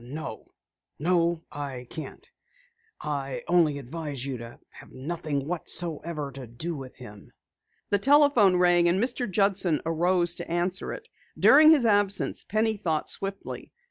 "No no, I can't. I only advise you to have nothing whatsoever to do with him." The telephone rang and Mr. Judson arose to answer it. During his absence, Penny thought swiftly.